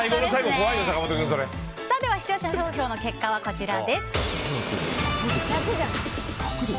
視聴者投票の結果はこちらです。